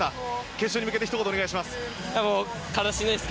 決勝に向けてひと言お願いします。